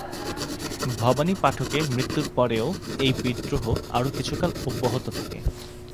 ভবানী পাঠকের মৃত্যুর পরেও এই বিদ্রোহ আরো কিছুকাল অব্যহত থাকে।